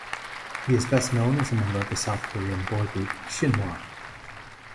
He is best known as a member of the South Korean boy group Shinhwa.